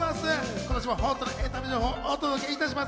今年も本当のエンタメ情報、お届けします。